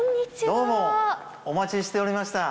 どうもお待ちしておりました。